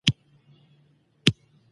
بلوڅ وويل: بلوڅان دي، وايي چې څوک ياست؟